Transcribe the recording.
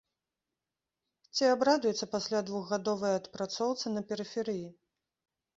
Ці абрадуецца пасля двухгадовай адпрацоўцы на перыферыі?